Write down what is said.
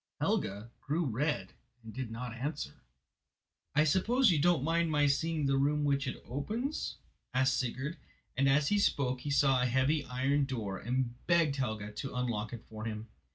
Helga grew red and did not answer. "I suppose you don't mind my seeing the room which it opens?" asked Sigurd, and as he spoke he saw a heavy iron door and begged Helga to unlock it for him.